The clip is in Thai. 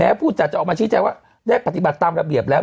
ผู้จัดจะออกมาชี้แจงว่าได้ปฏิบัติตามระเบียบแล้ว